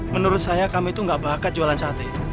menurut saya kami tuh gak bakat jualan sate